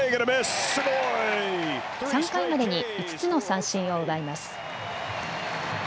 ３回までに５つの三振を奪います。